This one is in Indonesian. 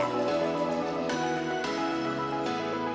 setelah selesai menikmati saya akan menambahkan ke dalam kaki sapi